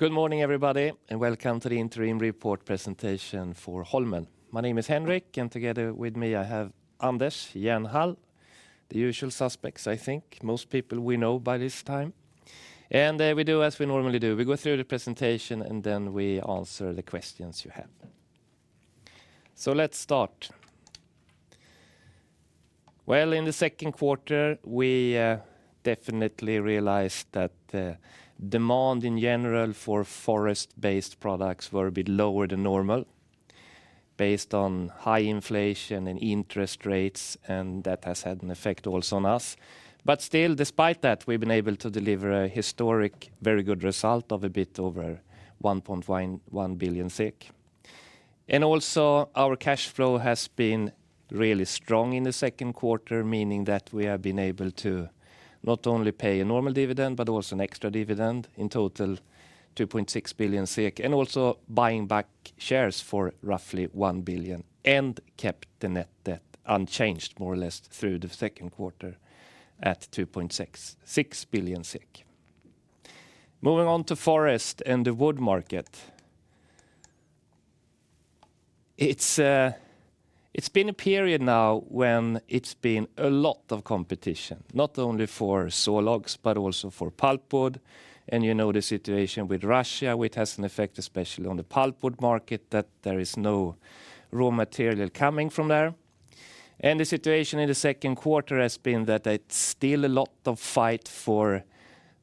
Good morning, everybody, welcome to the interim report presentation for Holmen. My name is Henrik, together with me, I have Anders Jernhall, the usual suspects, I think. Most people we know by this time. We do as we normally do, we go through the presentation, and then we answer the questions you have. Let's start. Well, in the second quarter, we definitely realized that demand in general for forest-based products were a bit lower than normal based on high inflation and interest rates, and that has had an effect also on us. Still, despite that, we've been able to deliver a historic, very good result of a bit over 1.1 billion. Also, our cash flow has been really strong in the second quarter, meaning that we have been able to not only pay a normal dividend, but also an extra dividend, in total 2.6 billion SEK, also buying back shares for roughly 1 billion, and kept the net debt unchanged, more or less, through the second quarter at 2.6 billion SEK. Moving on to forest and the wood market. It's, it's been a period now when it's been a lot of competition, not only for sawlogs, but also for pulpwood. You know the situation with Russia, which has an effect, especially on the pulpwood market, that there is no raw material coming from there. The situation in the second quarter has been that it's still a lot of fight for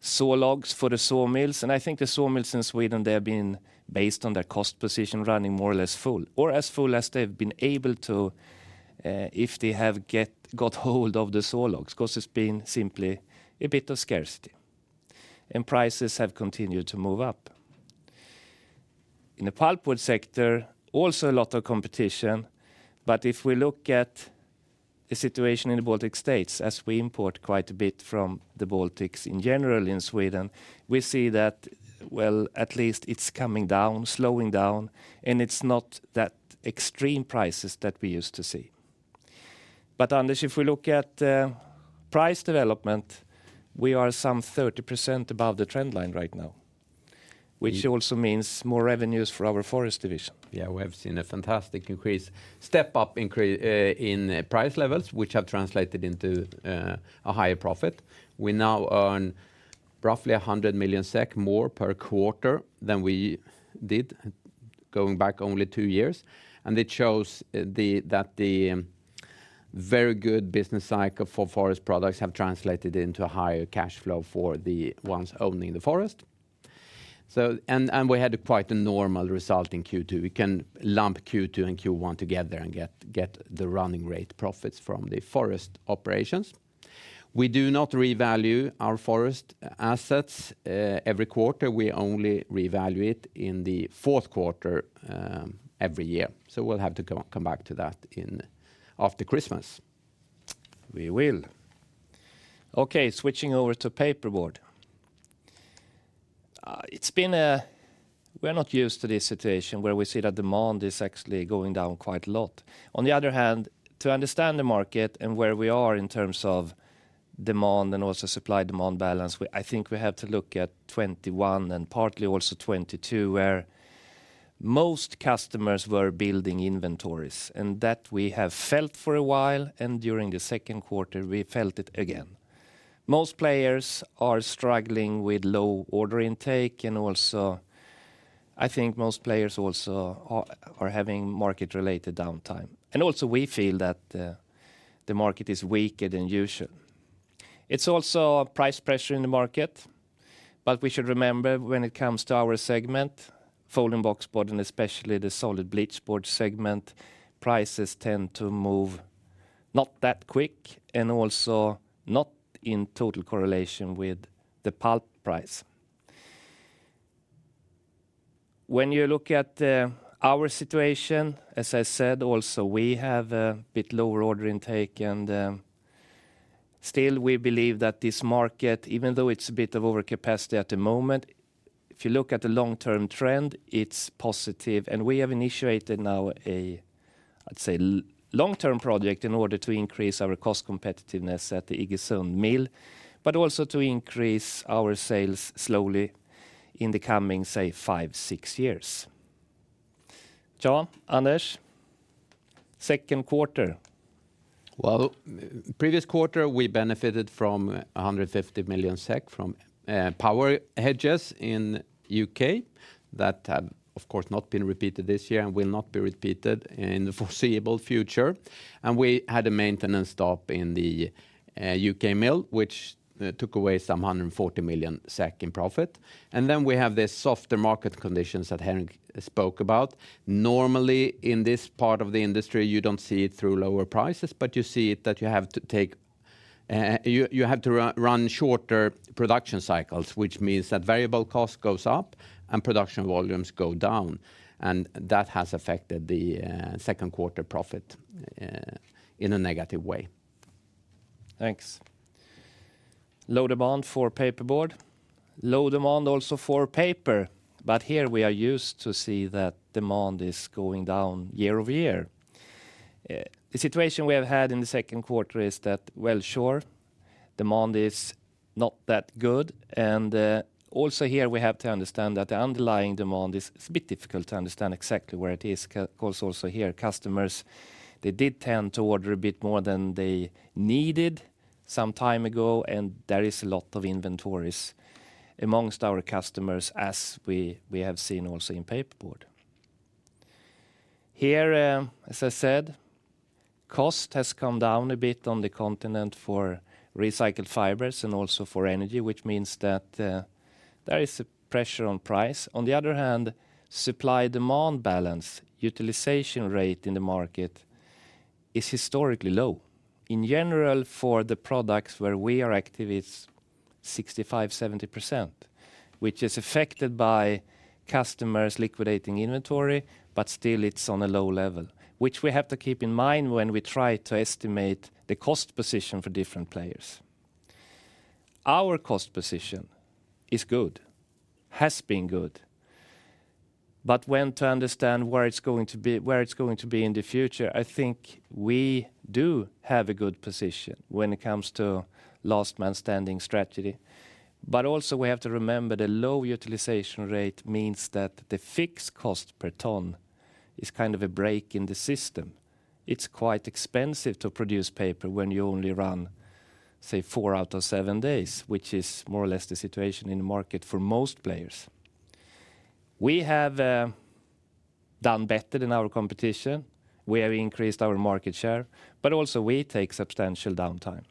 sawlogs, for the sawmills, and I think the sawmills in Sweden, they have been, based on their cost position, running more or less full, or as full as they've been able to, if they have got hold of the sawlogs, 'cause there's been simply a bit of scarcity, and prices have continued to move up. In the pulpwood sector, also a lot of competition, but if we look at the situation in the Baltic States, as we import quite a bit from the Baltics in general in Sweden, we see that, well, at least it's coming down, slowing down, and it's not that extreme prices that we used to see. Anders, if we look at price development, we are some 30% above the trend line right now, which also means more revenues for our forest division. Yeah, we have seen a fantastic increase, step-up increase, in price levels, which have translated into a higher profit. We now earn roughly 100 million SEK more per quarter than we did going back only two years, and it shows the, that the very good business cycle for forest products have translated into a higher cash flow for the ones owning the forest. So. We had quite a normal result in Q2. We can lump Q2 and Q1 together and get, get the running rate profits from the forest operations. We do not revalue our forest assets, every quarter. We only revalue it in the fourth quarter, every year, so we'll have to come, come back to that in after Christmas. We will. Okay, switching over to paperboard. We're not used to this situation where we see that demand is actually going down quite a lot. On the other hand, to understand the market and where we are in terms of demand and also supply-demand balance, I think we have to look at 2021 and partly also 2022, where most customers were building inventories, and that we have felt for a while, and during the Q2, we felt it again. Most players are struggling with low order intake, also, I think most players also are having market-related downtime. Also, we feel that the market is weaker than usual. It's also price pressure in the market, but we should remember when it comes to our segment, Folding Boxboard, and especially the Solid Bleached Board segment, prices tend to move not that quick and also not in total correlation with the pulp price. When you look at our situation, as I said, also, we have a bit lower order intake, and still, we believe that this market, even though it's a bit of overcapacity at the moment, if you look at the long-term trend, it's positive, and we have initiated now a, I'd say, long-term project in order to increase our cost competitiveness at the Iggesund Mill, but also to increase our sales slowly in the coming, say, five, six years. Ja, Anders, second quarter. Well, previous quarter, we benefited from 150 million SEK from power hedges in U.K. That had, of course, not been repeated this year and will not be repeated in the foreseeable future. We had a maintenance stop in the U.K. mill, which took away some 140 million in profit. Then we have the softer market conditions that Henrik spoke about. Normally, in this part of the industry, you don't see it through lower prices, but you see it that you have to take you have to run shorter production cycles, which means that variable cost goes up and production volumes go down, and that has affected the second quarter profit in a negative way. Thanks. Low demand for paperboard. Low demand also for paper, but here we are used to see that demand is going down year-over-year. The situation we have had in the second quarter is that, well, sure, demand is not that good, and, also here, we have to understand that the underlying demand is a bit difficult to understand exactly where it is. 'Cause also here, customers, they did tend to order a bit more than they needed some time ago, and there is a lot of inventories amongst our customers, as we, we have seen also in paperboard. Here, as I said, cost has come down a bit on the continent for recycled fibers and also for energy, which means that, there is a pressure on price. On the other hand, supply-demand balance, utilization rate in the market is historically low. In general, for the products where we are active, it's 65%-70%, which is affected by customers liquidating inventory, but still it's on a low level, which we have to keep in mind when we try to estimate the cost position for different players. Our cost position is good, has been good, but when to understand where it's going to be, where it's going to be in the future, I think we do have a good position when it comes to last-man-standing strategy. Also, we have to remember the low utilization rate means that the fixed cost per ton is kind of a break in the system. It's quite expensive to produce paper when you only run, say, four out of seven days, which is more or less the situation in the market for most players. We have done better than our competition. We have increased our market share, but also we take substantial downtime,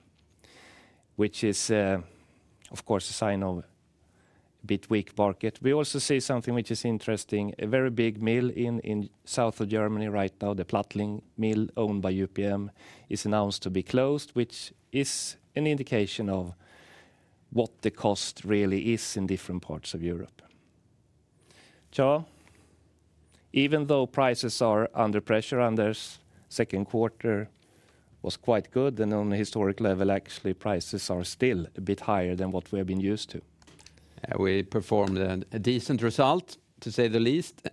which is, of course, a sign of a bit weak market. We also see something which is interesting. A very big mill in, in south of Germany right now, the Plattling mill, owned by UPM, is announced to be closed, which is an indication of what the cost really is in different parts of Europe. So, even though prices are under pressure, and the second quarter was quite good, and on a historic level, actually, prices are still a bit higher than what we have been used to. We performed a decent result, to say the least.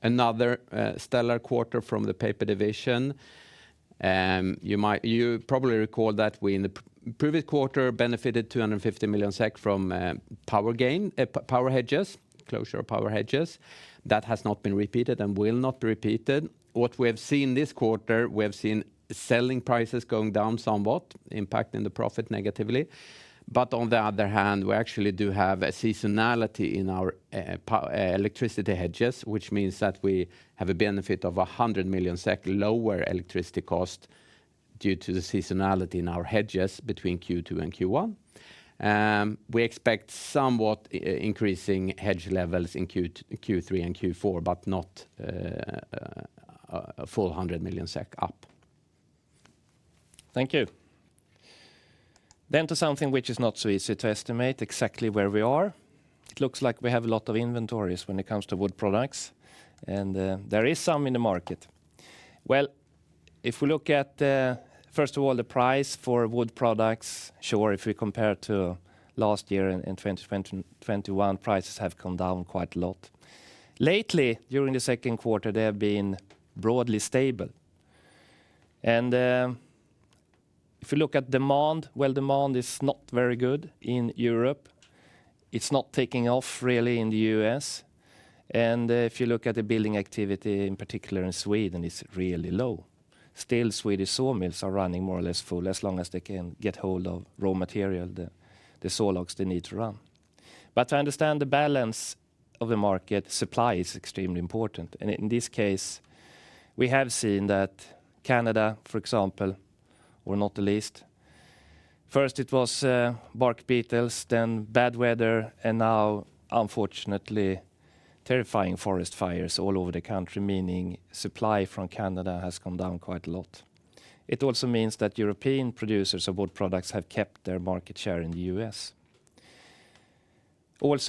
Another stellar quarter from the paper division. You might—you probably recall that we, in the previous quarter, benefited 250 million SEK from power gain, power hedges, closure of power hedges. That has not been repeated and will not be repeated. What we have seen this quarter, we have seen selling prices going down somewhat, impacting the profit negatively. On the other hand, we actually do have a seasonality in our electricity hedges, which means that we have a benefit of 100 million SEK, lower electricity cost, due to the seasonality in our hedges between Q2 and Q1. We expect somewhat increasing hedge levels in Q3 and Q4, but not a full 100 million SEK up. Thank you. To something which is not so easy to estimate exactly where we are. It looks like we have a lot of inventories when it comes to wood products, there is some in the market. Well, if we look at first of all, the price for wood products, sure, if we compare to last year in 2021, prices have come down quite a lot. Lately, during Q2, they have been broadly stable. If you look at demand, well, demand is not very good in Europe. It's not taking off really in the U.S. If you look at the building activity, in particular in Sweden, it's really low. Still, Swedish sawmills are running more or less full, as long as they can get hold of raw material, the, the saw logs they need to run. To understand the balance of the market, supply is extremely important. In this case, we have seen that Canada, for example, were not the least. First, it was bark beetles, then bad weather, and now, unfortunately, terrifying forest fires all over the country, meaning supply from Canada has come down quite a lot. It also means that European producers of wood products have kept their market share in the US.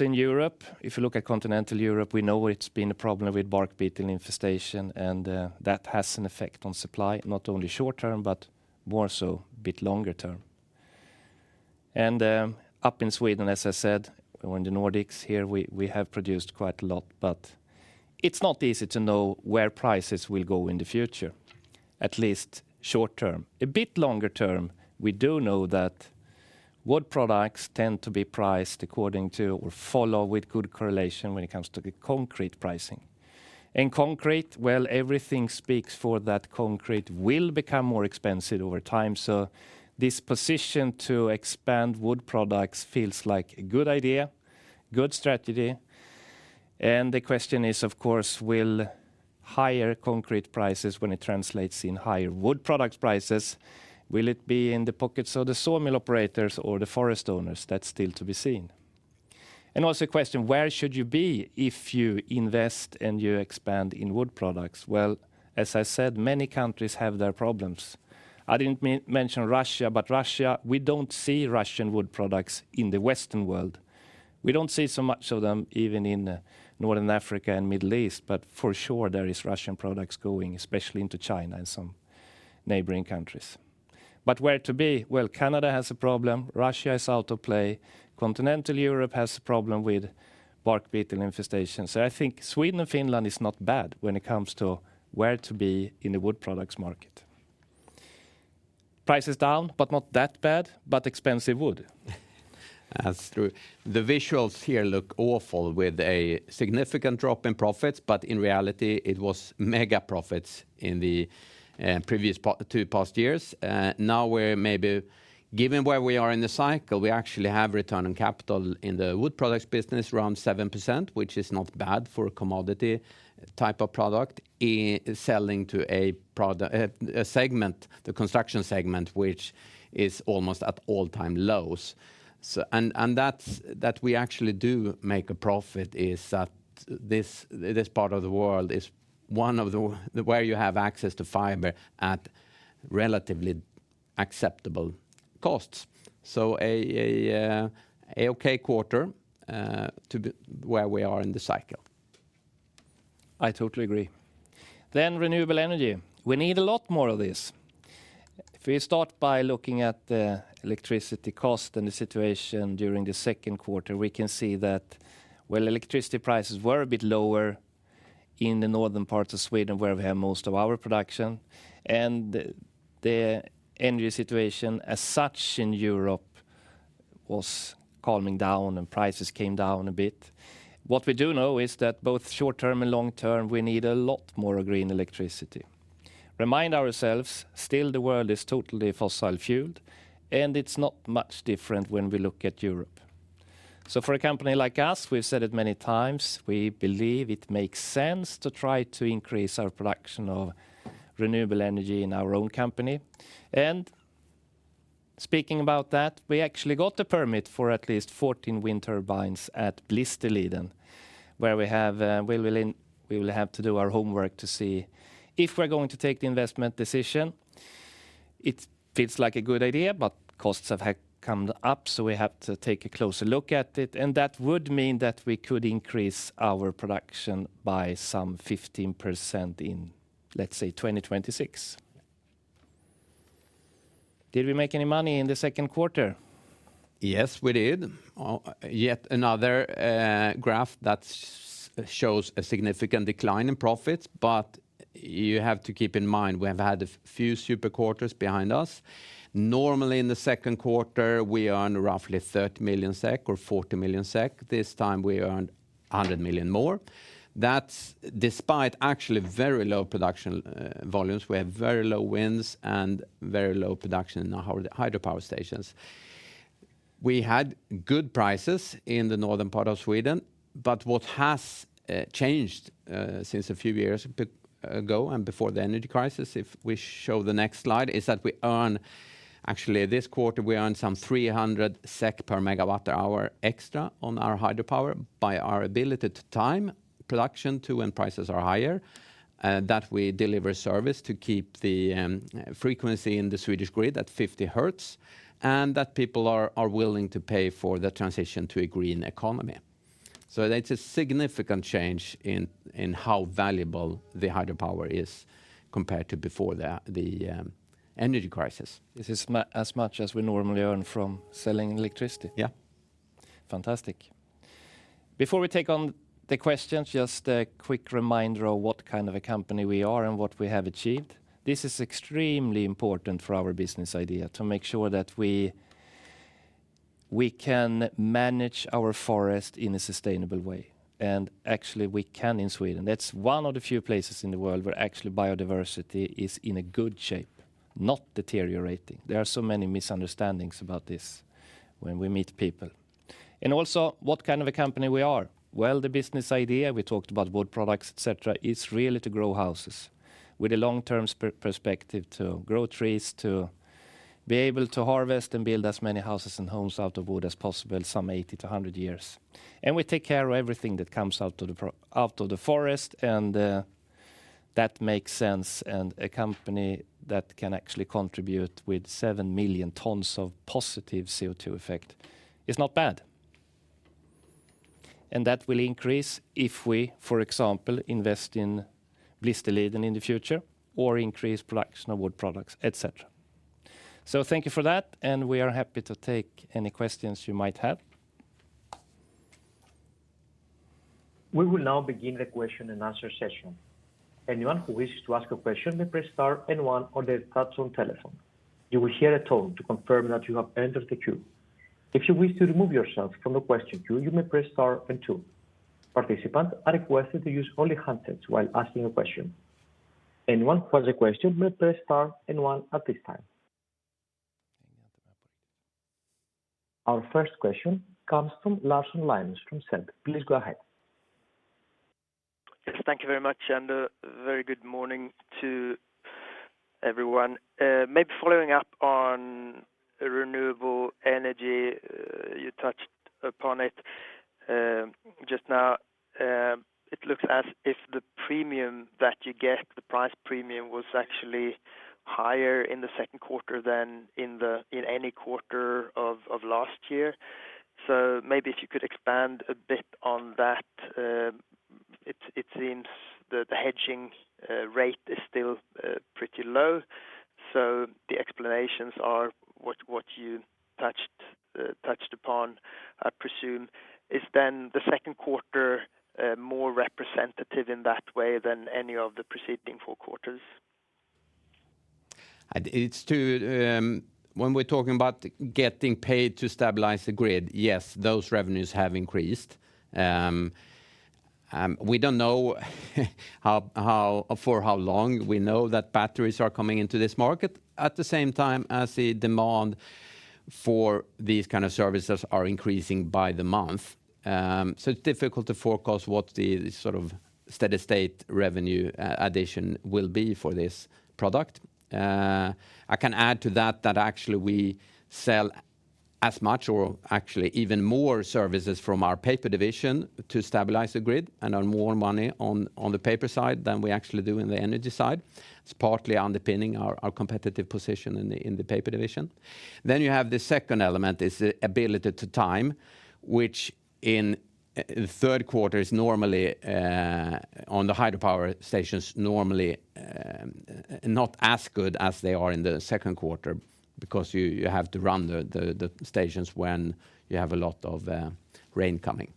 In Europe, if you look at continental Europe, we know it's been a problem with bark beetle infestation, and that has an effect on supply, not only short term, but more so a bit longer term. Up in Sweden, as I said, or in the Nordics here, we have produced quite a lot, but it's not easy to know where prices will go in the future, at least short term. A bit longer term, we do know that wood products tend to be priced according to or follow with good correlation when it comes to the concrete pricing. Concrete, well, everything speaks for that concrete will become more expensive over time, so this position to expand wood products feels like a good idea, good strategy. The question is, of course, will higher concrete prices, when it translates in higher wood product prices, will it be in the pockets of the sawmill operators or the forest owners? That's still to be seen. Also a question, where should you be if you invest and you expand in wood products? Well, as I said, many countries have their problems. I didn't mention Russia, but Russia, we don't see Russian wood products in the Western world. We don't see so much of them even in Northern Africa and Middle East, for sure, there is Russian products going, especially into China and neighboring countries. Where to be? Well, Canada has a problem, Russia is out of play, continental Europe has a problem with bark beetle infestation. I think Sweden and Finland is not bad when it comes to where to be in the wood products market. Price is down, but not that bad, but expensive wood. That's true. The visuals here look awful with a significant drop in profits. In reality, it was mega profits in the previous two past years. Now we're maybe, given where we are in the cycle, we actually have return on capital in the wood products business, around 7%, which is not bad for a commodity type of product, selling to a product, a segment, the construction segment, which is almost at all-time lows. And that's, that we actually do make a profit is that this, this part of the world is one of the where you have access to fiber at relatively acceptable costs. A okay quarter, to the where we are in the cycle. I totally agree. Renewable energy, we need a lot more of this. If we start by looking at the electricity cost and the situation during the second quarter, we can see that, well, electricity prices were a bit lower in the northern parts of Sweden, where we have most of our production, and the energy situation as such in Europe was calming down and prices came down a bit. What we do know is that both short term and long term, we need a lot more green electricity. Remind ourselves, still the world is totally fossil fueled, and it's not much different when we look at Europe. For a company like us, we've said it many times, we believe it makes sense to try to increase our production of renewable energy in our own company. Speaking about that, we actually got the permit for at least 14 wind turbines at Blåbergsliden, where we have, we will have to do our homework to see if we're going to take the investment decision. It feels like a good idea, but costs have had come up, so we have to take a closer look at it, and that would mean that we could increase our production by some 15% in, let's say, 2026. Did we make any money in the second quarter? Yes, we did. yet another graph that shows a significant decline in profits, but you have to keep in mind, we have had a few super quarters behind us. Normally, in the second quarter, we earn roughly 30 million SEK or 40 million. This time we earned 100 million more. That's despite actually very low production volumes. We have very low winds and very low production in our hydropower stations. We had good prices in the northern part of Sweden, but what has changed since a few years ago and before the energy crisis, if we show the next slide, is that we earn... Actually, this quarter, we earned some 300 SEK per megawatt-hour extra on our hydropower by our ability to time production to when prices are higher, that we deliver service to keep the frequency in the Swedish grid at 50 Hz, and that people are, are willing to pay for the transition to a green economy. That's a significant change in, in how valuable the hydropower is compared to before the, the energy crisis. This is as much as we normally earn from selling electricity? Yeah. Fantastic. Before we take on the questions, just a quick reminder of what kind of a company we are and what we have achieved. This is extremely important for our business idea, to make sure that we, we can manage our forest in a sustainable way. Actually, we can in Sweden. That's one of the few places in the world where actually biodiversity is in a good shape, not deteriorating. There are so many misunderstandings about this when we meet people. Also, what kind of a company we are? Well, the business idea, we talked about wood products, et cetera, is really to grow houses with a long-term perspective, to grow trees, to be able to harvest and build as many houses and homes out of wood as possible, some 80 to 100 years. We take care of everything that comes out of the forest, and that makes sense. A company that can actually contribute with 7 million tons of positive CO2 effect is not bad. That will increase if we, for example, invest in Blisterliden in the future or increase production of wood products, et cetera. Thank you for that, and we are happy to take any questions you might have. We will now begin the question and answer session. Anyone who wishes to ask a question, may press star one on their touchtone telephone. You will hear a tone to confirm that you have entered the queue. If you wish to remove yourself from the question queue, you may press star two. Participants are requested to use only handsets while asking a question. Anyone who has a question may press star one at this time. Our first question comes from Linus Larsson from SEB. Please go ahead. Yes, thank you very much, and a very good morning to everyone. Maybe following up on renewable energy, you touched upon it just now. It looks as if the premium that you get, the price premium, was actually higher in the second quarter than in any quarter of last year. Maybe if you could expand a bit on that. It seems that the hedging rate is still pretty low, so the explanations are what you touched upon, I presume. Is then the second quarter more representative in that way than any of the preceding four quarters? It's to, when we're talking about getting paid to stabilize the grid, yes, those revenues have increased. We don't know, how, how, for how long we know that batteries are coming into this market, at the same time as the demand for these kind of services are increasing by the month. It's difficult to forecast what the sort of steady state revenue addition will be for this product. I can add to that, that actually we sell as much or actually even more services from our paper division to stabilize the grid, and earn more money on, on the paper side than we actually do in the energy side. It's partly underpinning our, our competitive position in the, in the paper division. You have the second element, is the ability to time, which in the third quarter is normally on the hydropower stations, normally not as good as they are in the second quarter, because you, you have to run the, the, the stations when you have a lot of rain coming.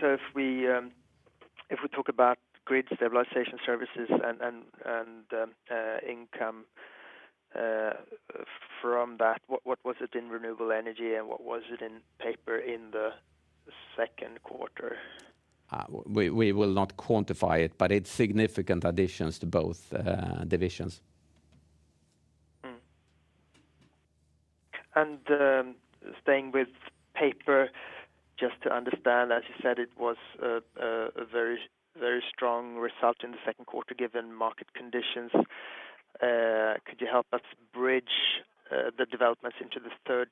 So if we talk about grid stabilization services and income from that, what was it in renewable energy, and what was it in paper in Q2? We, we will not quantify it, but it's significant additions to both divisions. Hmm. Staying with paper, just to understand, as you said, it was a very, very strong result in Q2, given market conditions. Could you help us bridge the developments into Q3,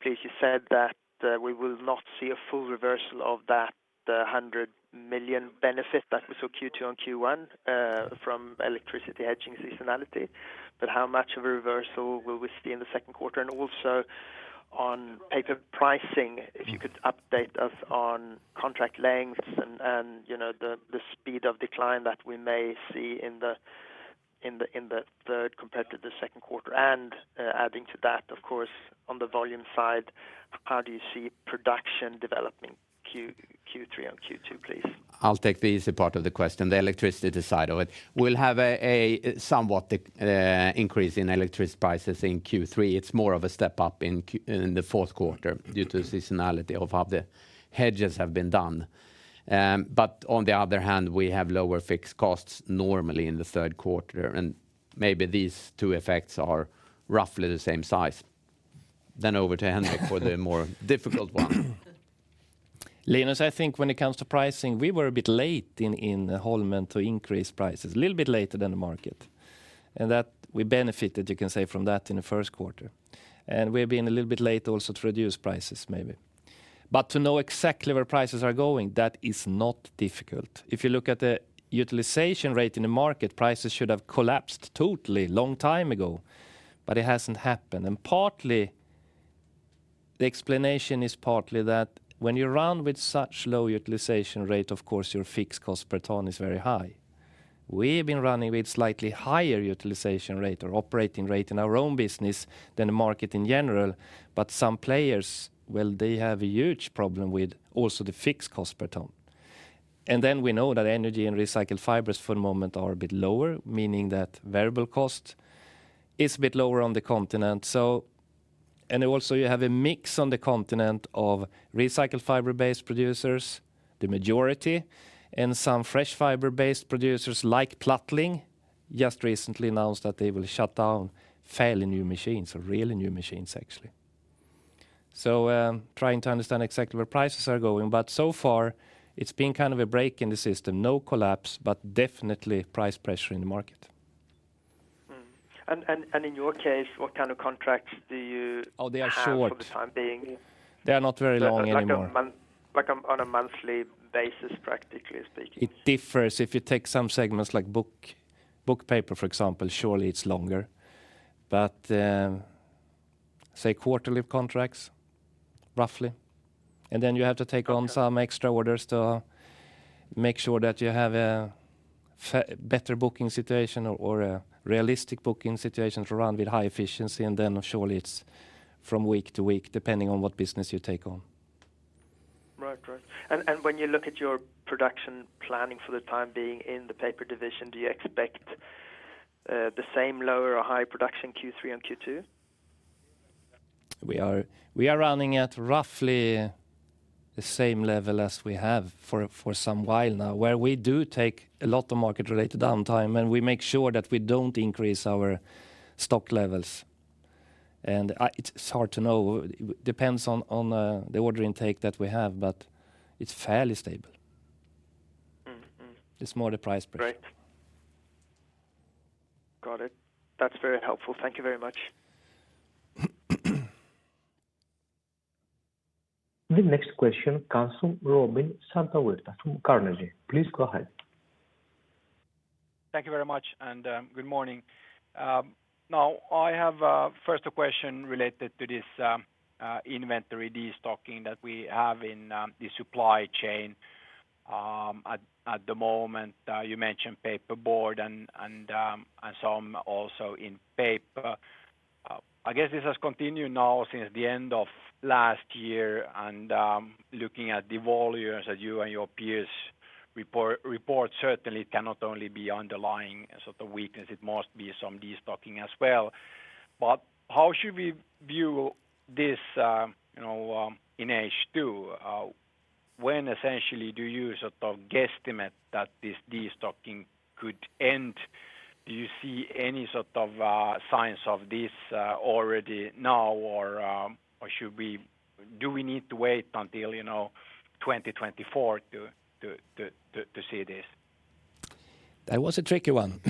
please? You said that we will not see a full reversal of that, the 100 million benefit that we saw Q2 on Q1 from electricity hedging seasonality, how much of a reversal will we see in Q2? Also on paper pricing, if you could update us on contract lengths and, you know, the speed of decline that we may see in Q3 compared to Q2. Adding to that, of course, on the volume side, how do you see production developing Q3 on Q2, please? I'll take the easy part of the question, the electricity side of it. We'll have a, a somewhat increase in electricity prices in Q3. It's more of a step up in the fourth quarter due to seasonality of how the hedges have been done. On the other hand, we have lower fixed costs normally in the third quarter, and maybe these two effects are roughly the same size. Over to Henrik for the more difficult one. Linus, I think when it comes to pricing, we were a bit late in, in the Holmen to increase prices, a little bit later than the market. We benefited, you can say, from that in the first quarter. We've been a little bit late also to reduce prices, maybe. To know exactly where prices are going, that is not difficult. If you look at the utilization rate in the market, prices should have collapsed totally long time ago, but it hasn't happened. Partly, the explanation is partly that when you run with such low utilization rate, of course, your fixed cost per ton is very high. We've been running with slightly higher utilization rate or operating rate in our own business than the market in general, but some players, well, they have a huge problem with also the fixed cost per ton. Then we know that energy and recycled fibers for the moment are a bit lower, meaning that variable cost is a bit lower on the continent. Also you have a mix on the continent of recycled fiber-based producers, the majority, and some fresh fiber-based producers, like Plattling, just recently announced that they will shut down fairly new machines, or really new machines actually. Trying to understand exactly where prices are going, but so far it's been kind of a break in the system. No collapse, but definitely price pressure in the market. In your case, what kind of contracts... Oh, they are short. Have for the time being? They are not very long anymore. like on, on a monthly basis, practically speaking? It differs. If you take some segments like book, book paper, for example, surely it's longer, but say quarterly contracts, roughly. Then you have to take on some extra orders to make sure that you have a better booking situation or, or a realistic booking situation to run with high efficiency, and then surely it's from week-to-week, depending on what business you take on. Right. Right. When you look at your production planning for the time being in the paper division, do you expect the same lower or higher production Q3 and Q2? We are, we are running at roughly the same level as we have for, for some while now, where we do take a lot of market-related downtime, and we make sure that we don't increase our stock levels. It's hard to know. It depends on, on the order intake that we have, but it's fairly stable. It's more the price point. Right. Got it. That's very helpful. Thank you very much. The next question comes fromRobin Santavirta from Carnegie. Please go ahead. Thank you very much, and good morning. Now, I have first a question related to this inventory destocking that we have in the supply chain at the moment. You mentioned paperboard and some also in paper. I guess this has continued now since the end of last year, and looking at the volumes that you and your peers report, report, certainly cannot only be underlying sort of weakness, it must be some destocking as well. How should we view this, you know, in H2? When essentially do you sort of guesstimate that this destocking could end? Do you see any sort of signs of this already now, or do we need to wait until, you know, 2024 to see this? That was a tricky one.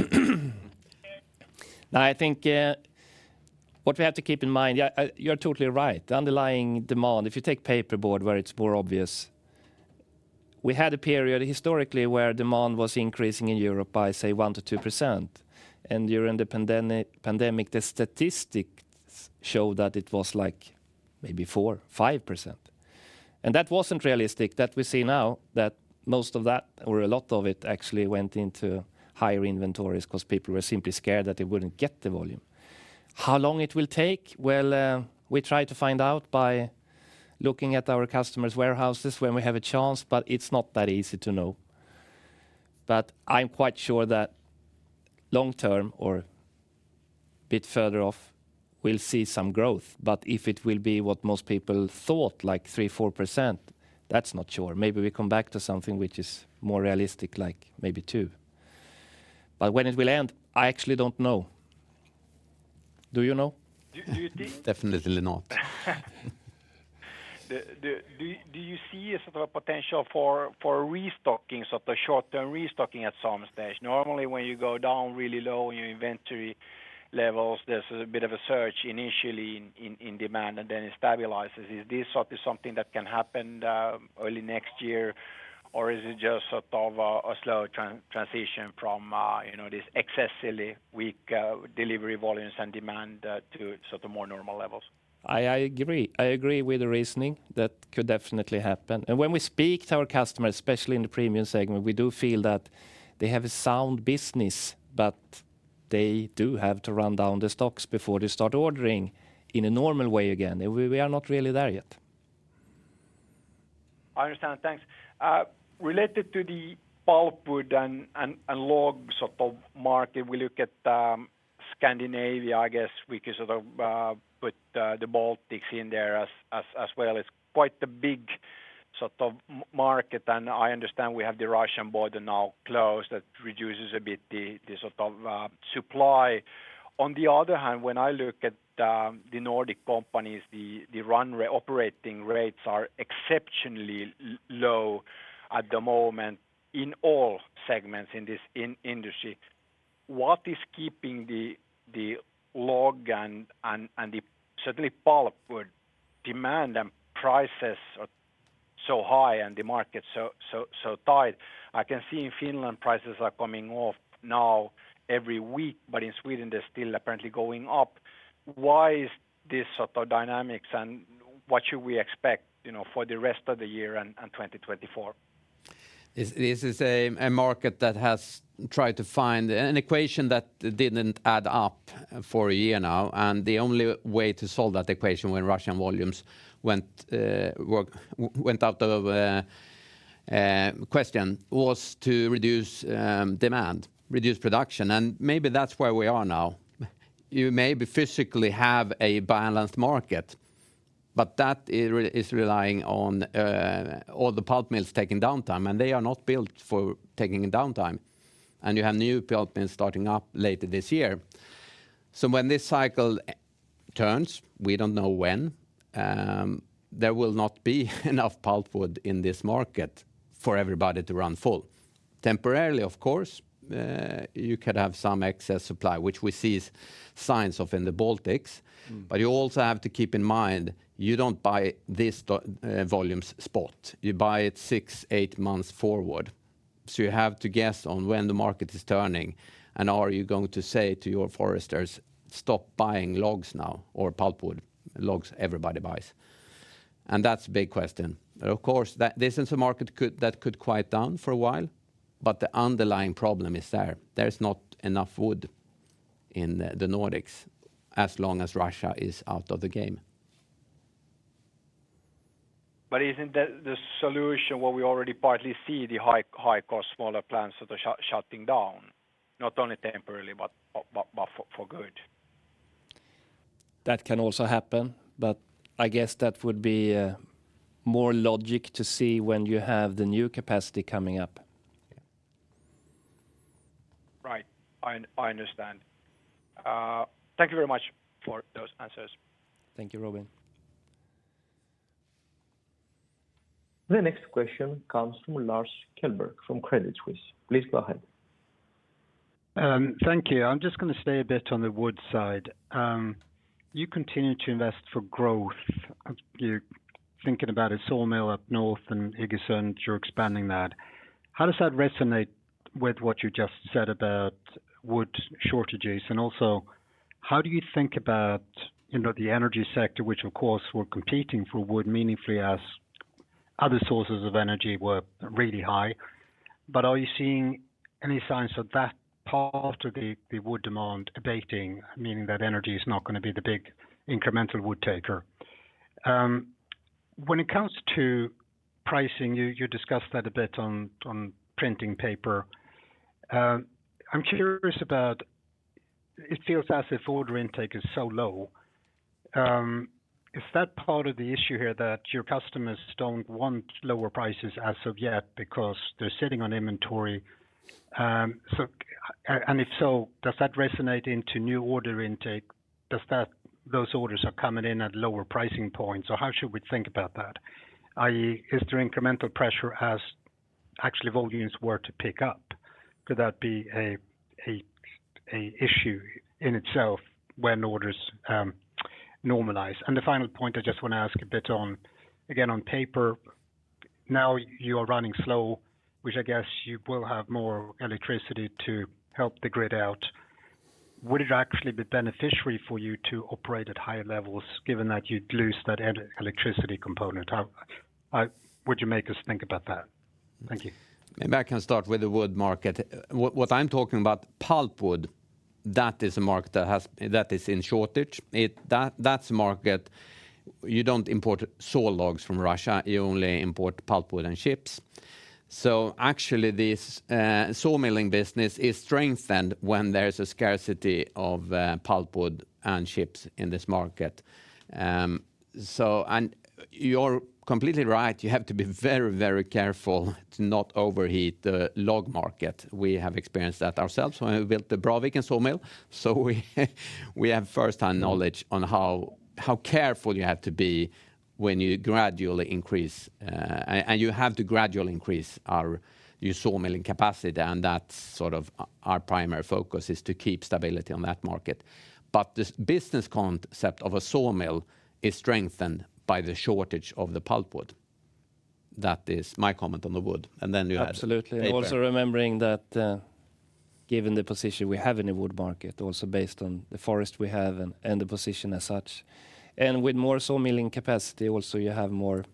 I think what we have to keep in mind... Yeah, you're totally right. The underlying demand, if you take paperboard, where it's more obvious, we had a period historically where demand was increasing in Europe by, say, 1%-2%, and during the pandemic, the statistics show that it was, like, maybe 4%, 5%. That wasn't realistic, that we see now that most of that or a lot of it actually went into higher inventories, 'cause people were simply scared that they wouldn't get the volume. How long it will take? Well, we try to find out by looking at our customers' warehouses when we have a chance, but it's not that easy to know. I'm quite sure that long term or bit further off, we'll see some growth. If it will be what most people thought, like 3%, 4%, that's not sure. Maybe we come back to something which is more realistic, like maybe 2. When it will end, I actually don't know. Do you know? Do you think- Definitely not. Do you see a sort of potential for restocking, sort of short-term restocking at some stage? Normally, when you go down really low in your inventory levels, there's a bit of a surge initially in demand, and then it stabilizes. Is this sort of something that can happen early next year, or is it just sort of a slow transition from, you know, this excessively weak delivery volumes and demand to sort of more normal levels? I, I agree. I agree with the reasoning. That could definitely happen. When we speak to our customers, especially in the premium segment, we do feel that they have a sound business, but they do have to run down the stocks before they start ordering in a normal way again, and we, we are not really there yet. I understand. Thanks. Related to the pulpwood and, and, and log sort of market, we look at Scandinavia, I guess, we can sort of put the Baltics in there as, as, as well. It's quite a big sort of market. I understand we have the Russian border now closed. That reduces a bit the, the sort of supply. On the other hand, when I look at the Nordic companies, the, the run operating rates are exceptionally low at the moment in all segments in this industry. What is keeping the, the log and, and, and the certainly pulpwood demand and prices are so high and the market so, so, so tight? I can see in Finland, prices are coming off now every week. In Sweden, they're still apparently going up. Why is this sort of dynamics, and what should we expect, you know, for the rest of the year and, and 2024? This, this is a, a market that has tried to find an equation that didn't add up for a year now, and the only way to solve that equation when Russian volumes went work, went out of question, was to reduce demand, reduce production, and maybe that's where we are now. You maybe physically have a balanced market, but that is re- is relying on all the pulp mills taking downtime, and they are not built for taking a downtime. You have new pulp mills starting up later this year. When this cycle turns, we don't know when, there will not be enough pulpwood in this market for everybody to run full. Temporarily, of course, you could have some excess supply, which we see signs of in the Baltics. You also have to keep in mind, you don't buy this volumes spot. You buy it six, eight months forward. You have to guess on when the market is turning, and are you going to say to your foresters, "Stop buying logs now," or pulpwood? Logs, everybody buys. That's a big question. Of course, this is a market could, that could quiet down for a while, but the underlying problem is there. There's not enough wood in the, the Nordics as long as Russia is out of the game. Isn't the, the solution where we already partly see the high, high-cost smaller plants sort of shutting down, not only temporarily, but, but, but for, for good? That can also happen, but I guess that would be, more logic to see when you have the new capacity coming up. Right. I, I understand. Thank you very much for those answers. Thank you, Robin. The next question comes from Lars Kjellberg from Credit Suisse. Please go ahead. Thank you. I'm just gonna stay a bit on the wood side. You continue to invest for growth. You-... thinking about a sawmill up north in Iggesund, you're expanding that. How does that resonate with what you just said about wood shortages? Also, how do you think about, you know, the energy sector, which, of course, we're competing for wood meaningfully as other sources of energy were really high. Are you seeing any signs of that part of the, the wood demand abating, meaning that energy is not gonna be the big incremental wood taker? When it comes to pricing, you, you discussed that a bit on, on printing paper. I'm curious about, it feels as if order intake is so low. Is that part of the issue here, that your customers don't want lower prices as of yet because they're sitting on inventory? So, and if so, does that resonate into new order intake? Those orders are coming in at lower pricing points, or how should we think about that? i.e., is there incremental pressure as actually, volumes were to pick up? Could that be a issue in itself when orders normalize? The final point, I just wanna ask a bit on, again, on paper. Now, you are running slow, which I guess you will have more electricity to help the grid out. Would it actually be beneficiary for you to operate at higher levels, given that you'd lose that electricity component? How, how would you make us think about that? Thank you. Maybe I can start with the wood market. What I'm talking about, pulpwood, that is a market that is in shortage. That, that's a market you don't import saw logs from Russia, you only import pulpwood and chips. Actually, this sawmilling business is strengthened when there's a scarcity of pulpwood and chips in this market. You're completely right, you have to be very, very careful to not overheat the log market. We have experienced that ourselves when we built the Braviken Sawmill. We, we have first-hand knowledge on how, how careful you have to be when you gradually increase... And you have to gradually increase our, your sawmilling capacity, and that's sort of our primary focus, is to keep stability on that market. This business concept of a sawmill is strengthened by the shortage of the pulpwood. That is my comment on the wood, and then you have. Absolutely. Paper. Also remembering that, given the position we have in the wood market, also based on the forest we have and, and the position as such, and with more sawmilling capacity, also you have more,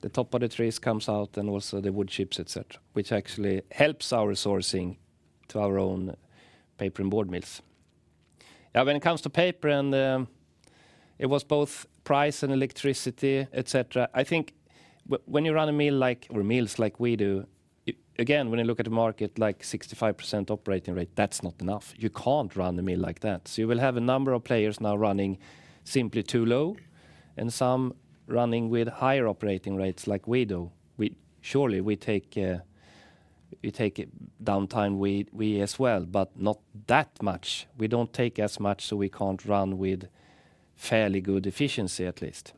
the top of the trees comes out and also the wood chips, et cetera, which actually helps our sourcing to our own paper and board mills. When it comes to paper and, it was both price and electricity, et cetera, I think when you run a mill, like, or mills like we do, again, when you look at the market, like 65% operating rate, that's not enough. You can't run the mill like that. You will have a number of players now running simply too low and some running with higher operating rates like we do. Surely, we take, we take it downtime, we, we as well, but not that much. We don't take as much, so we can't run with fairly good efficiency, at least.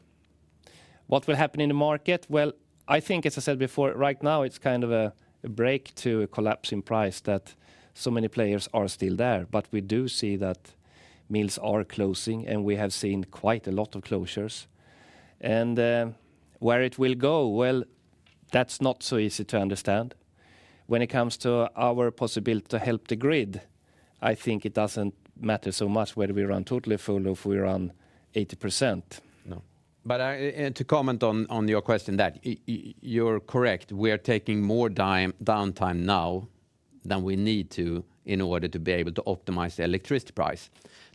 What will happen in the market? Well, I think, as I said before, right now, it's kind of a, a break to a collapse in price that so many players are still there. We do see that mills are closing, and we have seen quite a lot of closures. Where it will go? Well, that's not so easy to understand. When it comes to our possibility to help the grid, I think it doesn't matter so much whether we run totally full or if we run 80%. No. To comment on your question, you're correct, we are taking more downtime now than we need to in order to be able to optimize the electricity price.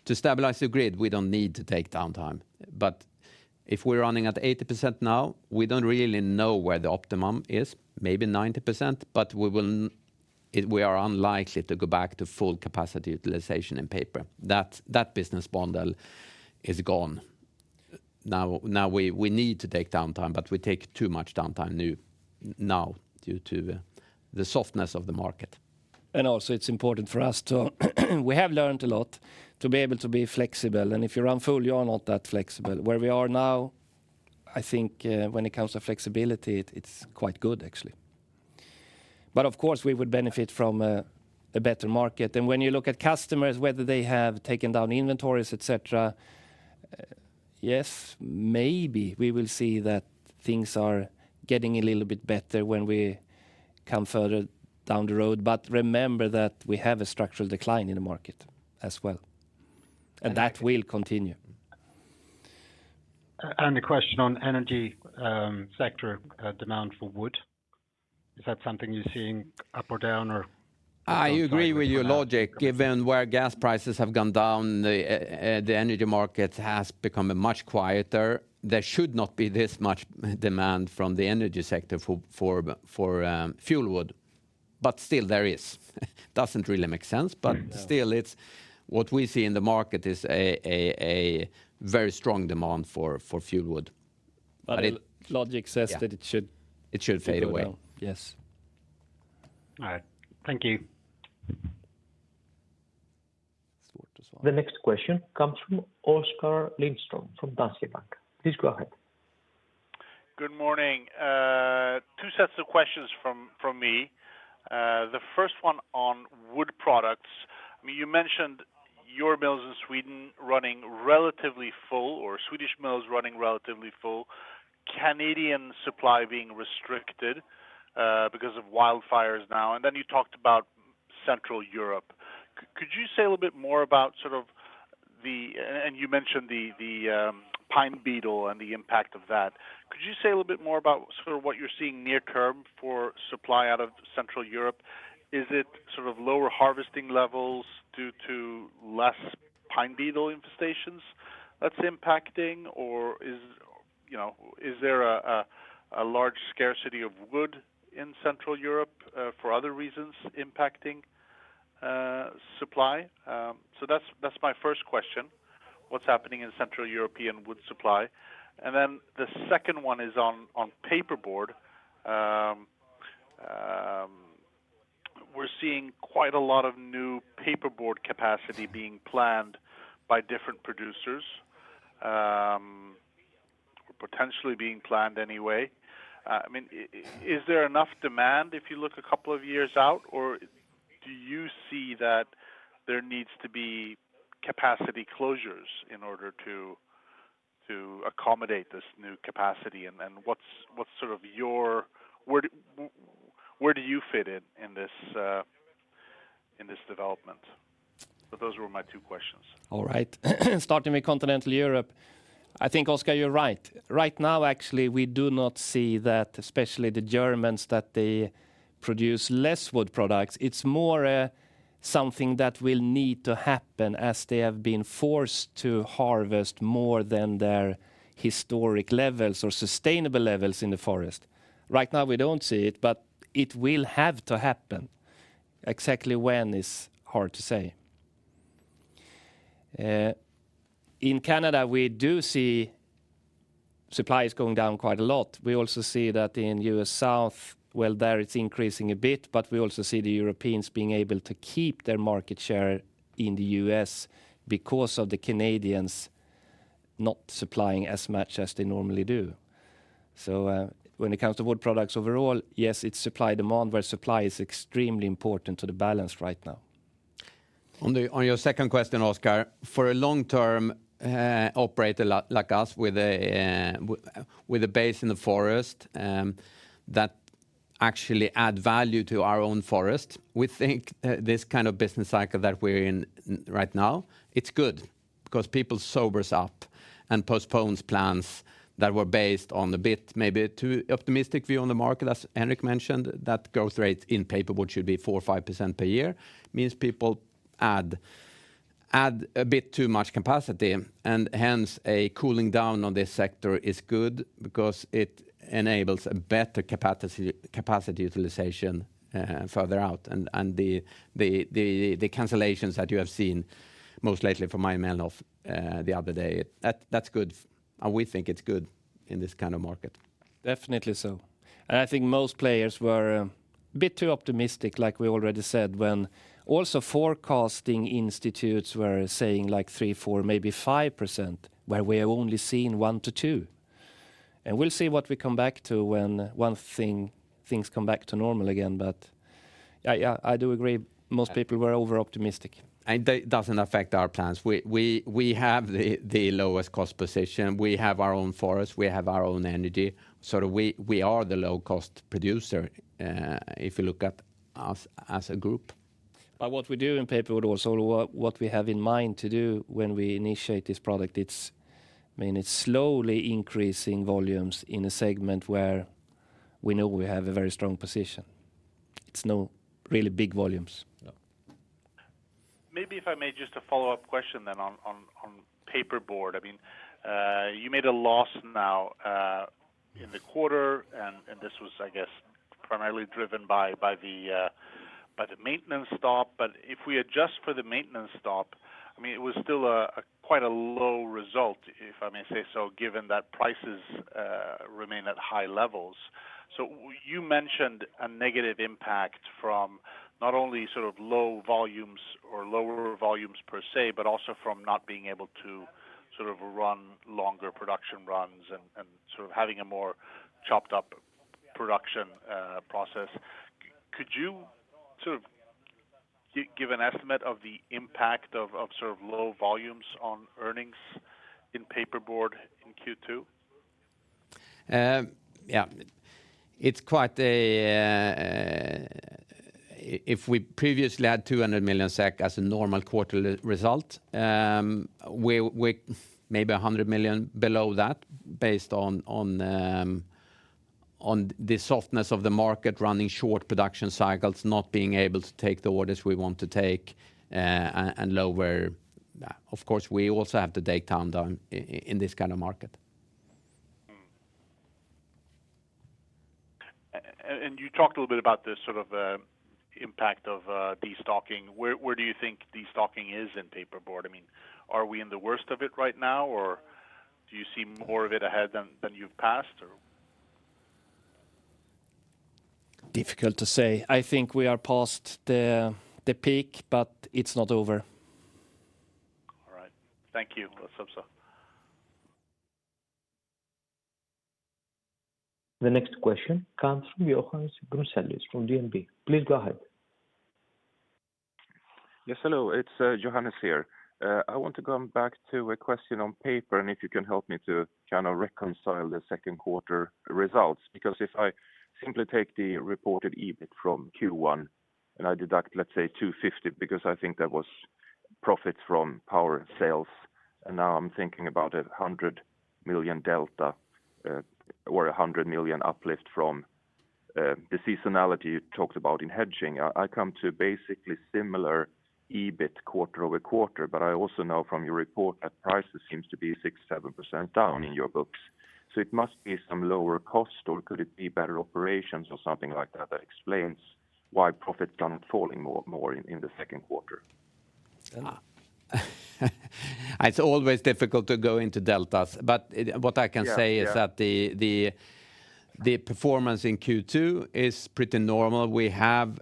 To stabilize the grid, we don't need to take downtime. If we're running at 80% now, we don't really know where the optimum is, maybe 90%, but we are unlikely to go back to full capacity utilization in paper. That business model is gone. Now we need to take downtime, but we take too much downtime now due to the softness of the market. Also, it's important for us to, we have learned a lot, to be able to be flexible. If you run full, you are not that flexible. Where we are now, I think, when it comes to flexibility, it's quite good, actually. Of course, we would benefit from a, a better market. When you look at customers, whether they have taken down inventories, et cetera, yes, maybe we will see that things are getting a little bit better when we come further down the road. Remember that we have a structural decline in the market as well, and that will continue. A question on energy, sector, demand for wood. Is that something you're seeing up or down, or? I agree with your logic. Given where gas prices have gone down, the, the energy market has become much quieter. There should not be this much demand from the energy sector for, for, for fuel wood. Still, there is. Doesn't really make sense. Still, it's what we see in the market is a very strong demand for fuel wood. Logic says. Yeah. It, It should fade away. Fade well. Yes. All right. Thank you. Sort to say. The next question comes from Oskar Lindström, from Danske Bank. Please go ahead. Good morning. Two sets of questions from, from me. The first one on wood products. I mean, you mentioned your mills in Sweden running relatively full, or Swedish mills running relatively full, Canadian supply being restricted because of wildfires now, and then you talked about Central Europe. Could you say a little bit more about sort of the-- and you mentioned the, the pine beetle and the impact of that. Could you say a little bit more about sort of what you're seeing near term for supply out of Central Europe? Is it sort of lower harvesting levels due to less pine beetle infestations that's impacting? Or is, you know, is there a, a, a large scarcity of wood in Central Europe for other reasons impacting supply? That's, that's my first question, what's happening in Central European wood supply? Then the second one is on, on paperboard. We're seeing quite a lot of new paperboard capacity being planned by different producers, potentially being planned anyway. I mean, is there enough demand if you look a couple of years out, or do you see that there needs to be capacity closures in order to accommodate this new capacity? What's, what's sort of your, where do you fit in, in this, in this development? Those were my two questions. All right. Starting with continental Europe, I think, Oscar, you're right. Right now, actually, we do not see that, especially the Germans, that they produce less wood products. It's more something that will need to happen as they have been forced to harvest more than their historic levels or sustainable levels in the forest. Right now, we don't see it, but it will have to happen. Exactly when is hard to say. In Canada, we do see supply is going down quite a lot. We also see that in U.S. South, well, there, it's increasing a bit, but we also see the Europeans being able to keep their market share in the U.S. because of the Canadians not supplying as much as they normally do. When it comes to wood products overall, yes, it's supply-demand, where supply is extremely important to the balance right now. On your second question, Oscar, for a long-term operator like us, with a base in the forest, that actually add value to our own forest, we think this kind of business cycle that we're in right now, it's good, because people sobers up and postpones plans that were based on a bit, maybe too optimistic view on the market, as Henrik mentioned, that growth rate in paperboard should be 4% or 5% per year, means people add, add a bit too much capacity. Hence, a cooling down on this sector is good because it enables a better capacity, capacity utilization further out. The cancellations that you have seen, most lately from Mayr-Melnhof the other day, that, that's good, and we think it's good in this kind of market. Definitely so. I think most players were a bit too optimistic, like we already said, when also forecasting institutes were saying, like, 3%, 4%, maybe 5%, where we have only seen 1%-2%. We'll see what we come back to when things come back to normal again. I, I, I do agree, most people were overoptimistic. They... doesn't affect our plans. We have the lowest cost position, we have our own forest, we have our own energy. We are the low-cost producer, if you look at us as a group. What we do in paperboard also, what, what we have in mind to do when we initiate this product, it's, I mean, it's slowly increasing volumes in a segment where we know we have a very strong position. It's no really big volumes. Yeah. Maybe if I may, just a follow-up question then on, on, on paperboard. I mean, you made a loss now in the quarter, and this was, I guess, primarily driven by, by the by the maintenance stop. If we adjust for the maintenance stop, I mean, it was still a, quite a low result, if I may say so, given that prices remain at high levels. You mentioned a negative impact from not only sort of low volumes or lower volumes per se, but also from not being able to sort of run longer production runs and, and sort of having a more chopped up production process. Could you sort of give an estimate of the impact of, of sort of low volumes on earnings in paperboard in Q2? Yeah. It's quite a. if we previously had 200 million SEK as a normal quarterly result, we're, we're maybe 100 million below that, based on, on, on the softness of the market, running short production cycles, not being able to take the orders we want to take, and lower... Of course, we also have to take down, down in this kind of market. Mm. You talked a little bit about the sort of impact of destocking. Where, where do you think destocking is in paperboard? I mean, are we in the worst of it right now, or do you see more of it ahead than, than you've passed, or? Difficult to say. I think we are past the, the peak. It's not over. Thank you. [inaudible] The next question comes from Johannes Grunselius from DNB. Please go ahead. Yes, hello, it's Johannes here. I want to come back to a question on paper, and if you can help me to kind of reconcile the second quarter results. If I simply take the reported EBIT from Q1, and I deduct, let's say, 250, because I think that was profits from power sales, and now I'm thinking about a 100 million delta, or a 100 million uplift from the seasonality you talked about in hedging. I come to basically similar EBIT quarter-over-quarter, but I also know from your report that prices seem to be 6%-7% down in your books. It must be some lower cost, or could it be better operations or something like that, that explains why profit isn't falling more in the second quarter? It's always difficult to go into deltas, but it- Yeah, yeah. What I can say is that the, the, the performance in Q2 is pretty normal. We have,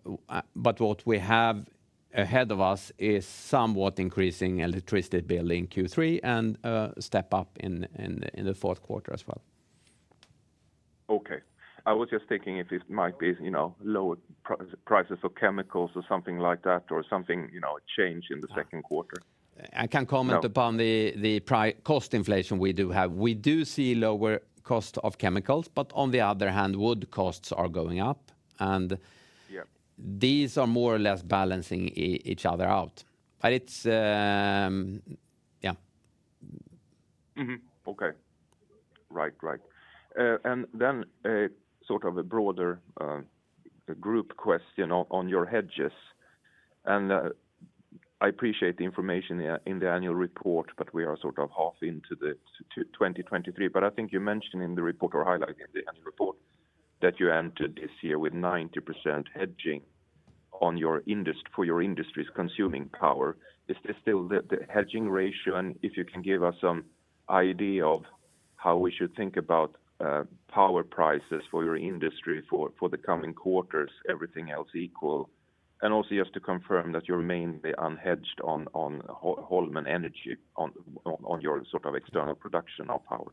but what we have ahead of us is somewhat increasing electricity bill in Q3 and step up in, in the, in the fourth quarter as well. Okay. I was just thinking if it might be, you know, lower prices of chemicals or something like that, or something, you know, a change in the second quarter. I can comment. Yeah Upon the, the cost inflation we do have. We do see lower cost of chemicals, but on the other hand, wood costs are going up. Yeah These are more or less balancing each other out. It's, yeah. Okay. Right. Right. A sort of a broader group question on your hedges. I appreciate the information in the annual report, but we are sort of half into 2023. I think you mentioned in the report or highlighted in the annual report that you entered this year with 90% hedging for your industries consuming power. Is this still the hedging ratio? If you can give us some idea of how we should think about power prices for your industry for the coming quarters, everything else equal. Also, just to confirm that you remain the unhedged on Holmen Energy, on your sort of external production of power.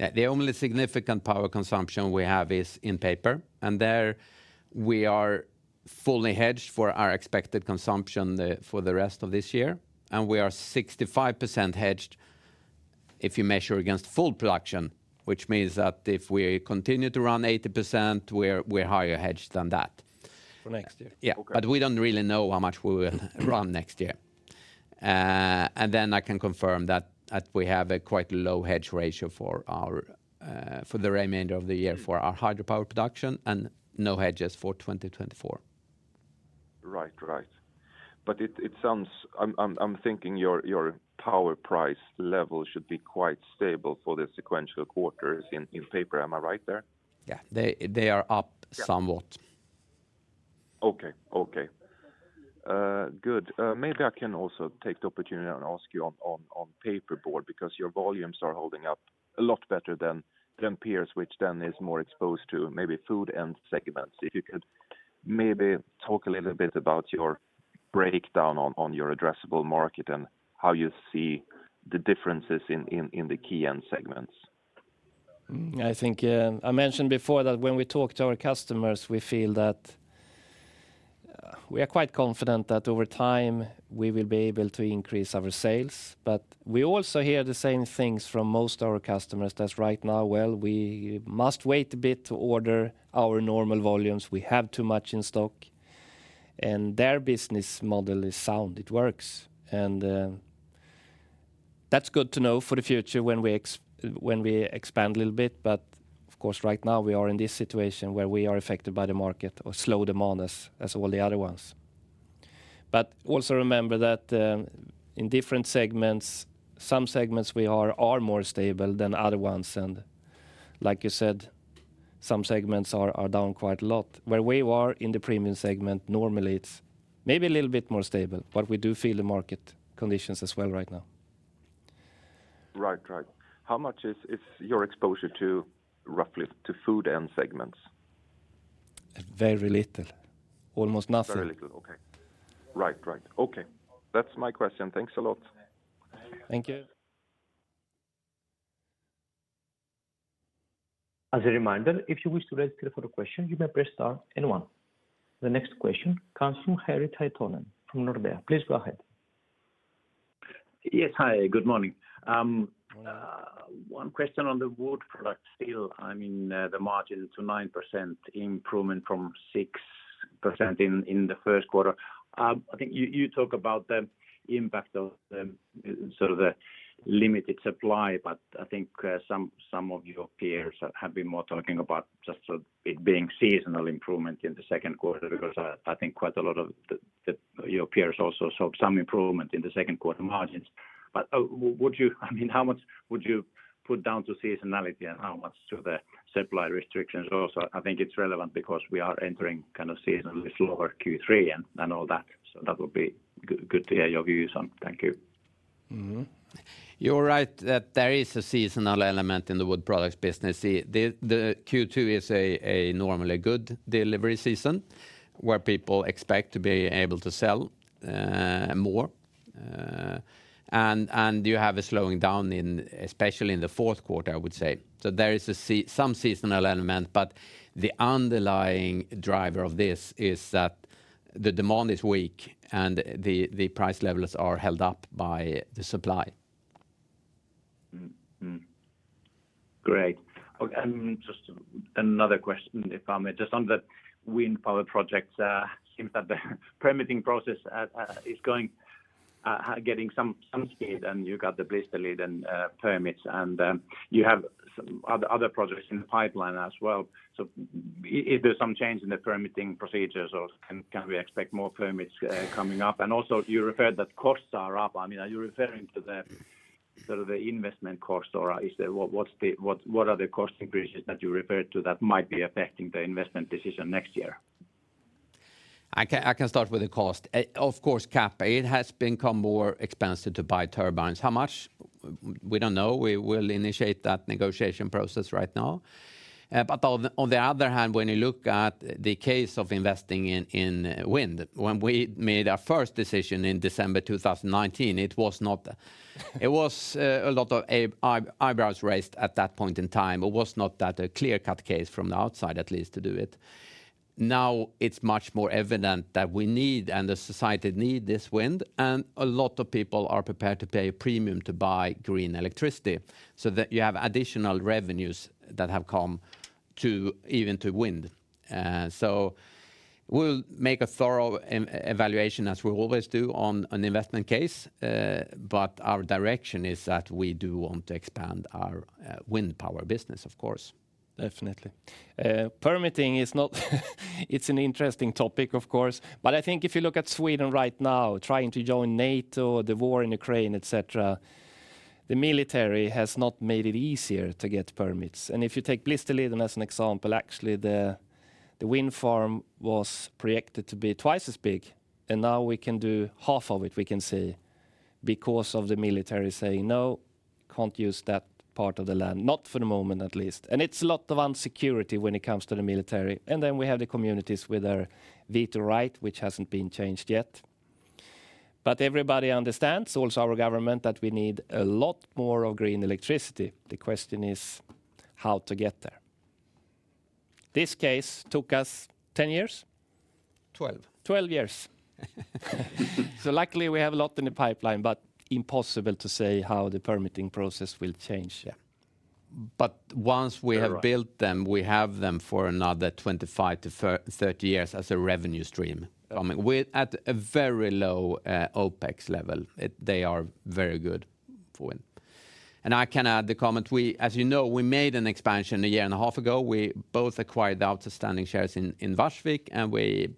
Yeah. The only significant power consumption we have is in paper. There we are fully hedged for our expected consumption for the rest of this year. We are 65% hedged if you measure against full production, which means that if we continue to run 80%, we're higher hedged than that. For next year? Yeah. Okay. We don't really know how much we will run next year. Then I can confirm that we have a quite low hedge ratio for our, for the remainder of the year, for our hydropower production and no hedges for 2024. Right. Right. It, it sounds... I'm, I'm, I'm thinking your, your power price level should be quite stable for the sequential quarters in, in paper. Am I right there? Yeah. They, they are. Yeah Somewhat. Okay. Okay. good. maybe I can also take the opportunity and ask you on, on, on paperboard, because your volumes are holding up a lot better than, than peers, which then is more exposed to maybe food and segments. If you could maybe talk a little bit about your breakdown on, on your addressable market and how you see the differences in, in, in the key end segments. I think I mentioned before that when we talk to our customers, we feel that we are quite confident that over time we will be able to increase our sales. We also hear the same things from most of our customers. That's right now, well, we must wait a bit to order our normal volumes. We have too much in stock. Their business model is sound, it works. That's good to know for the future when we when we expand a little bit, but of course, right now we are in this situation where we are affected by the market or slow demand as all the other ones. Also remember that in different segments, some segments we are more stable than other ones, and like you said, some segments are down quite a lot. Where we are in the premium segment, normally it's maybe a little bit more stable, but we do feel the market conditions as well right now. Right. Right. How much is, is your exposure to, roughly, to food and segments? Very little. Almost nothing. Very little. Okay. Right. Right. Okay. That's my question. Thanks a lot. Thank you. As a reminder, if you wish to register for a question, you may press star and one. The next question comes from Harri Taittonen from Nordea. Please go ahead. Yes, hi. Good morning. One question on the wood product still. I mean, the margin to 9% improvement from 6% in the Q1. I think you talk about the impact of the sort of the limited supply. I think some of your peers have been more talking about just it being seasonal improvement in the Q2, because I think quite a lot of your peers also saw some improvement in the Q2 margins. I mean, how much would you put down to seasonality and how much to the supply restrictions also? I think it's relevant because we are entering kind of seasonally lower Q3 and all that. That would be good to hear your views on. Thank you. You're right that there is a seasonal element in the wood products business. See, the Q2 is a normally good delivery season, where people expect to be able to sell more. You have a slowing down in, especially in the fourth quarter, I would say. There is some seasonal element, but the underlying driver of this is that the demand is weak and the price levels are held up by the supply. Great. Okay, just another question, if I may. Just on the wind power projects, seems that the permitting process is going, getting some speed, and you got the Blåbergsliden permits, and you have some other projects in the pipeline as well. Is there some change in the permitting procedures, or can we expect more permits coming up? Also, you referred that costs are up. I mean, are you referring to the, sort of, the investment cost, or what are the cost increases that you referred to that might be affecting the investment decision next year? I can, I can start with the cost. Of course, Cap, it has become more expensive to buy turbines. How much? We don't know. We will initiate that negotiation process right now. On the, on the other hand, when you look at the case of investing in, in, wind, when we made our first decision in December 2019. It was, a lot of eyebrows raised at that point in time. It was not that a clear-cut case from the outside, at least, to do it. Now, it's much more evident that we need, and the society need this wind, and a lot of people are prepared to pay a premium to buy green electricity, so that you have additional revenues that have come to, even to wind. We'll make a thorough evaluation, as we always do, on an investment case, but our direction is that we do want to expand our wind power business, of course. Definitely. Permitting is not, it's an interesting topic, of course, but I think if you look at Sweden right now, trying to join NATO, the war in Ukraine, et cetera, the military has not made it easier to get permits. If you take Blåbergsliden as an example, actually, the, the wind farm was projected to be twice as big, and now we can do half of it, we can say, because of the military saying, "No, can't use that part of the land," not for the moment, at least. It's a lot of insecurity when it comes to the military. Then we have the communities with their veto right, which hasn't been changed yet. Everybody understands, also our government, that we need a lot more of green electricity. The question is, how to get there? This case took us 10 years? Twelve. 12 years. Luckily, we have a lot in the pipeline, but impossible to say how the permitting process will change. Yeah. Once we have built them, we have them for another 25 to 30 years as a revenue stream. I mean, we're at a very low OpEx level. They are very good for wind. I can add the comment, we, as you know, we made an expansion a year and a half ago. We both acquired the outstanding shares in Varsvik, and we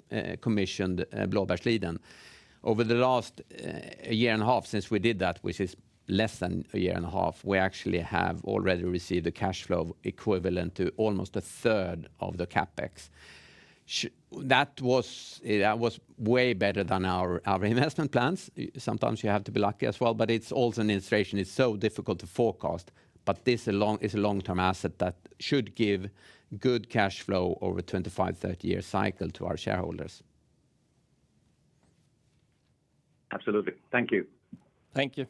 commissioned Blåbergsliden. Over the last year and a half since we did that, which is less than a year and a half, we actually have already received a cash flow equivalent to almost a third of the CapEx. That was way better than our investment plans. Sometimes you have to be lucky as well, but it's also an illustration, it's so difficult to forecast. This is a long-term asset that should give good cash flow over a 25, 30-year cycle to our shareholders. Absolutely. Thank you. Thank you.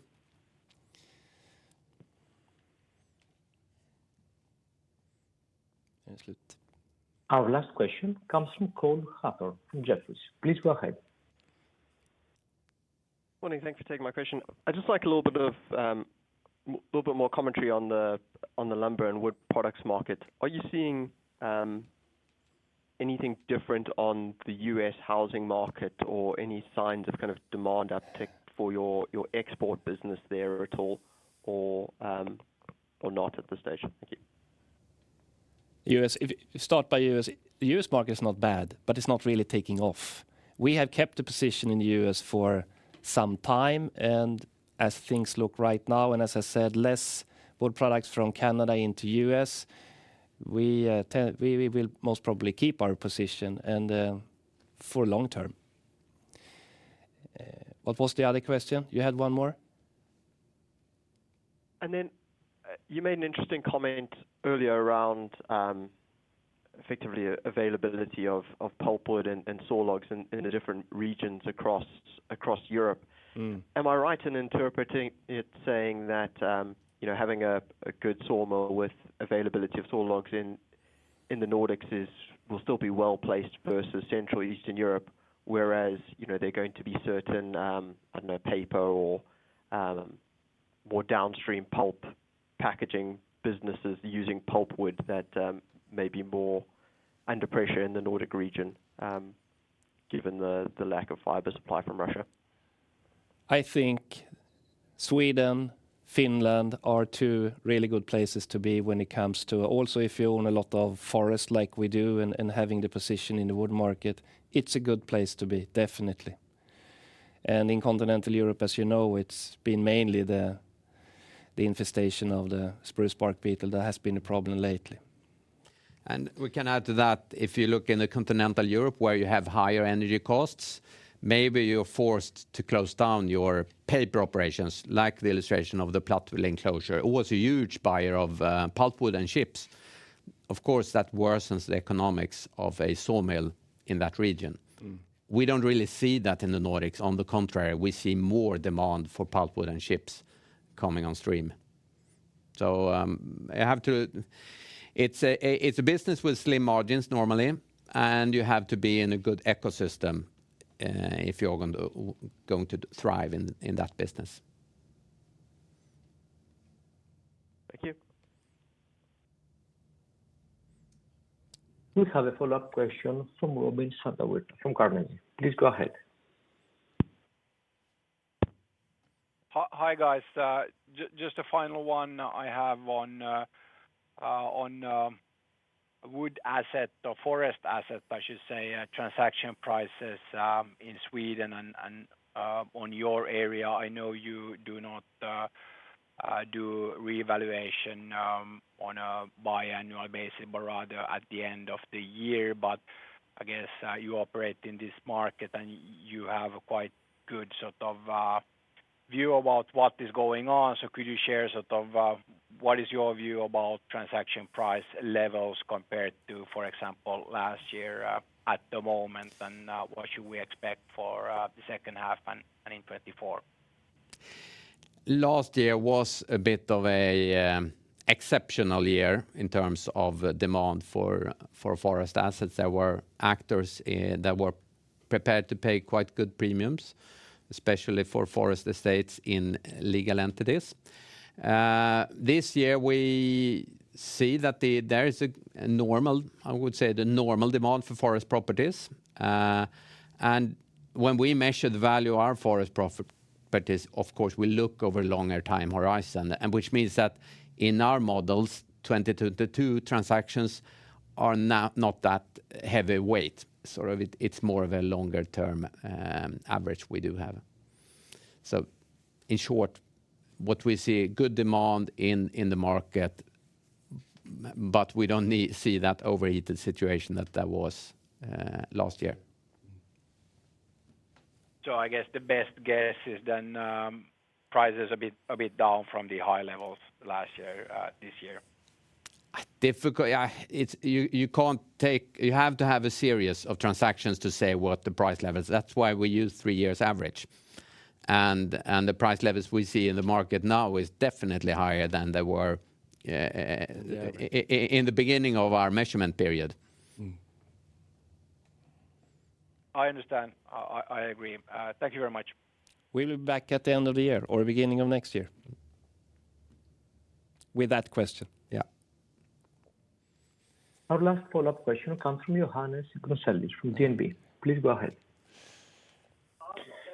Our last question comes from Cole Hathorn from Jefferies. Please go ahead. Morning. Thank you for taking my question. I'd just like a little bit of, little bit more commentary on the, on the lumber and wood products market. Are you seeing, anything different on the U.S. housing market or any signs of kind of demand uptick for your, your export business there at all, or, or not at this stage? Thank you. U.S., if, start by U.S. The U.S. market is not bad, but it's not really taking off. We have kept a position in the U.S. for some time, and as things look right now, and as I said, less wood products from Canada into U.S., we, we will most probably keep our position and for long term. What was the other question? You had one more. Then, you made an interesting comment earlier around, effectively, availability of, of pulpwood and, and sawlogs in, in the different regions across, across Europe. Am I right in interpreting it, saying that, you know, having a good sawmill with availability of sawlogs in the Nordics is, will still be well-placed versus Central, Eastern Europe, whereas, you know, there are going to be certain, I don't know, paper or more downstream pulp packaging businesses using pulpwood that may be more under pressure in the Nordic region, given the lack of fiber supply from Russia? I think Sweden, Finland are two really good places to be when it comes to... Also, if you own a lot of forest, like we do, and, and having the position in the wood market, it's a good place to be, definitely. In continental Europe, as you know, it's been mainly the, the infestation of the spruce bark beetle that has been a problem lately. We can add to that, if you look in continental Europe, where you have higher energy costs, maybe you're forced to close down your paper operations, like the illustration of the Plattling closure. It was a huge buyer of pulpwood and chips. Of course, that worsens the economics of a sawmill in that region. We don't really see that in the Nordics. On the contrary, we see more demand for pulpwood and chips coming on stream. You have to, it's a, it's a business with slim margins normally, and you have to be in a good ecosystem if you're going to, going to thrive in, in that business. Thank you. We have a follow-up question from Robin Santavirta from Carnegie. Please go ahead. Hi, hi, guys. Just a final one I have on wood asset or forest asset, I should say, transaction prices in Sweden and on your area. I know you do not do reevaluation on a biannual basis but rather at the end of the year, but I guess you operate in this market, and you have a quite good sort of view about what is going on. Could you share sort of what is your view about transaction price levels compared to, for example, last year at the moment? What should we expect for the second half and in 2024? Last year was a bit of an exceptional year in terms of demand for forest assets. There were actors that were prepared to pay quite good premiums, especially for forest estates in legal entities. This year we see that there is a normal, I would say, the normal demand for forest properties. And when we measure the value of our forest properties, of course, we look over a longer time horizon, and which means that in our models, 2022 transactions are not that heavy weight. Sort of it's more of a longer-term average we do have. So in short, what we see, good demand in the market, but we don't see that overheated situation that there was last year. I guess the best guess is then, price is a bit, a bit down from the high levels last year, this year. Difficult, I. It's you can't take. You have to have a series of transactions to say what the price level is. That's why we use three years average. The price levels we see in the market now is definitely higher than they were in the beginning of our measurement period. I understand. I, I agree. Thank you very much. We'll be back at the end of the year or beginning of next year with that question. Yeah. Our last follow-up question comes from Johannes Grunselius from DNB. Please go ahead.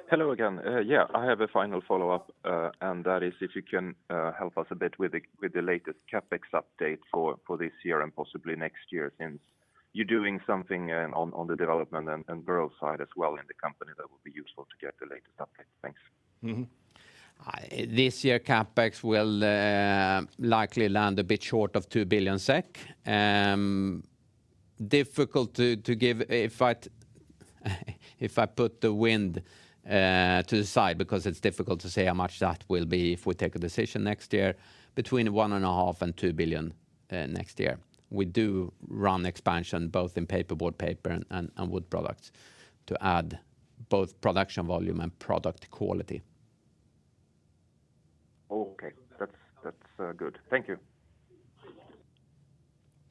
Hello again. Yeah, I have a final follow-up, and that is if you can help us a bit with the latest CapEx update for this year and possibly next year, since you're doing something on the development and growth side as well in the company, that would be useful to get the latest update. Thanks. This year, CapEx will likely land a bit short of 2 billion SEK. Difficult to give... If I put the wind to the side, because it's difficult to say how much that will be, if we take a decision next year, between 1.5 billion and 2 billion next year. We do run expansion both in paperboard, paper, and wood products to add both production volume and product quality. Okay. That's, that's, good. Thank you.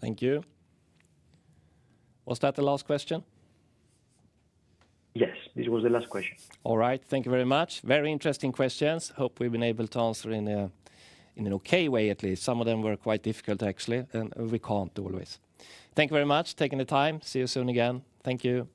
Thank you. Was that the last question? Yes, this was the last question. All right. Thank you very much. Very interesting questions. Hope we've been able to answer in an okay way, at least. Some of them were quite difficult, actually. We can't always. Thank you very much for taking the time. See you soon again. Thank you.